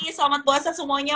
makasih selamat puasa semuanya